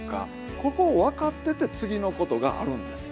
ここを分かってて次のことがあるんですよ。